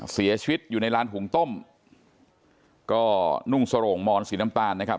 เสียชีวิตอยู่ในร้านหุงต้มก็นุ่งสโรงมอนสีน้ำตาลนะครับ